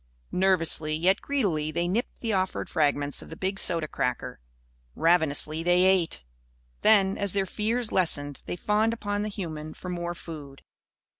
Nervously, yet greedily, they nipped the offered fragments of the big soda cracker. Ravenously they ate. Then, as their fears lessened, they fawned upon the human for more food.